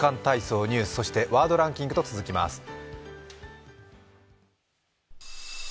体操」、ニュース、そして「ワードランキング」と続きます。